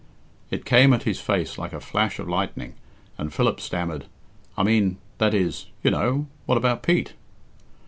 It came at his face like a flash of lightning, and Philip stammered, "I mean that is you know what about Pete?"